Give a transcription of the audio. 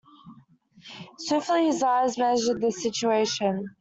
Swiftly his eyes measured the situation.